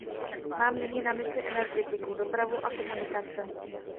Mám nyní na mysli energetiku, dopravu a komunikace.